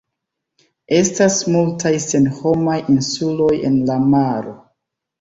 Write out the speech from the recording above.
Estas multaj senhomaj insuloj en la maro.